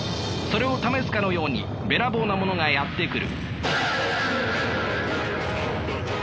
それを試すかのようにべらぼうなものがやって来る。